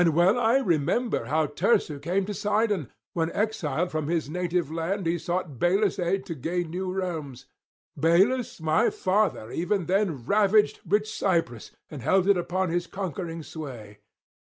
And well I remember how Teucer came to Sidon, when exiled from his native land he sought Belus' aid to gain new realms; Belus my father even then ravaged rich Cyprus and held it under his conquering sway.